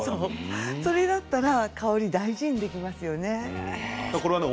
それだったら香りを大事にできますよね。